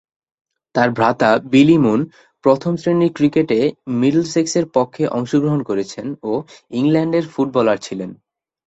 তার ভ্রাতা Billy Moon প্রথম-শ্রেণীর ক্রিকেটে মিডলসেক্সের পক্ষে অংশগ্রহণ করেছেন ও ইংল্যান্ডের ফুটবলার ছিলেন।